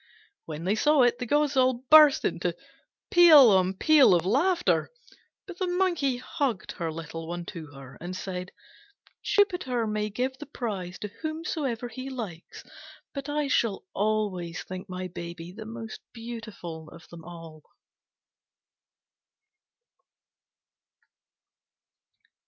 When they saw it, the gods all burst into peal on peal of laughter; but the Monkey hugged her little one to her, and said, "Jupiter may give the prize to whomsoever he likes: but I shall always think my baby the most beautiful of them all."